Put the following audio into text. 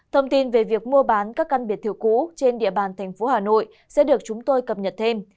thông tin về việc mua bán các căn biệt thự cũ trên địa bàn thành phố hà nội sẽ được chúng tôi cập nhật thêm